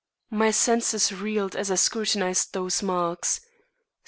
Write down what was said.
My senses reeled as I scrutinised those marks.